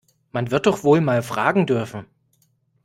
Man wird doch wohl mal fragen dürfen!